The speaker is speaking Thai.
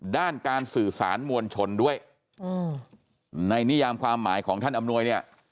ด้านการสื่อสารมวลชนด้วยอืมในนิยามความหมายของท่านอำนวยเนี่ย